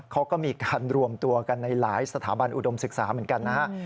เขาก็มีการรวมตัวกันในหลายสถาบันอุดมศึกษาเหมือนกันนะฮะ